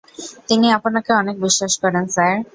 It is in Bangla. তিনি আপনাকে অনেক বিশ্বাস করেন, স্যার।